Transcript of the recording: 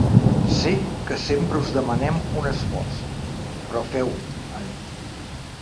Sé que sempre us demanem un esforç, però feu-ho, ha dit.